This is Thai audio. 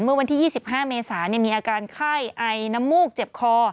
เมื่อวันที่๒๕เมษามีอาการไข้ไอน้ำมูกเจ็บคอ